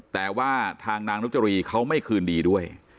แต่ว่าทางนางนกจรีเขาไม่คืนดีด้วย